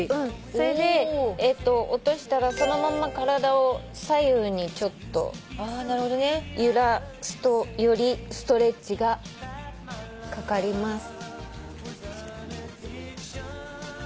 それで落としたらそのまま体を左右に揺らすとよりストレッチがかかります。